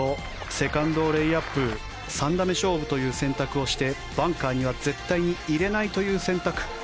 セカンドをレイアップ３打目勝負という選択をしてバンカーには絶対に入れないという選択。